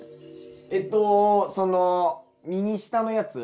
えっとその右下のやつ。